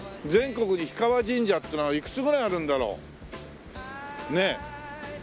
全国に氷川神社っていうのはいくつぐらいあるんだろう？ねえ。